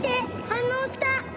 反応した。